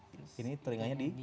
terus ini teringanya di